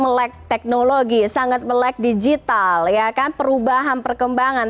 mereka yang sangat melek teknologi sangat melek digital perubahan perkembangan